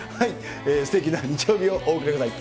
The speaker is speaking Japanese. すてきな日曜日をお過ごしください。